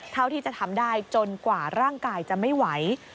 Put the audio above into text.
เท่าที่จะทำได้จนกว่าร่างกายจะไม่ไหว